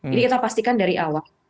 jadi kita pastikan dari awal